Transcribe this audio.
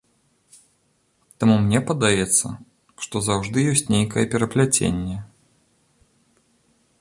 Таму мне падаецца, што заўжды ёсць нейкае перапляценне.